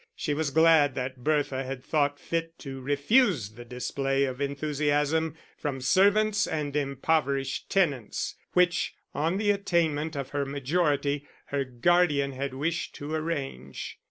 She was glad that Bertha had thought fit to refuse the display of enthusiasm from servants and impoverished tenants, which, on the attainment of her majority, her guardian had wished to arrange.